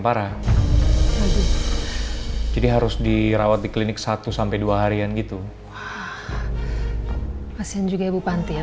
parah jadi harus dirawat di klinik satu sampai dua harian gitu pasien juga ibu panti ya